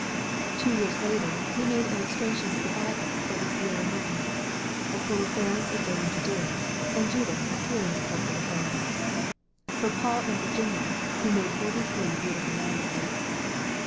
Two years later he made illustrations for the Bible of the Sieur Raymond, of Holofernes invading Judea, and Judith appearing before Holofernes. For "Paul and Virginia" he made forty three beautiful landscapes.